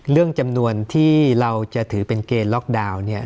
เรื่องจำนวนที่เราจะถือเป็นเกณฑ์ล็อกดาวน์เนี่ย